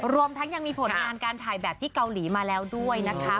รวมทั้งยังมีผลงานการถ่ายแบบที่เกาหลีมาแล้วด้วยนะคะ